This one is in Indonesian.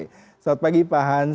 selamat pagi pak hans